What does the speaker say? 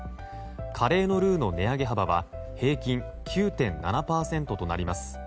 カレーのルーの値上げ幅は平均９．７％となります。